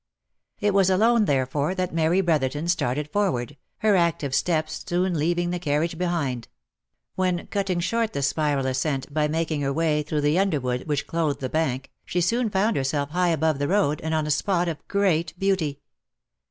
It was alone, therefore, that Mary Brotherton started forward, her active steps soon leaving the carriage behind ; when cutting short the spiral ascent by making her way through the underwood which clothed the bank, she soon found herself high above the road, and on a spot of great beauty.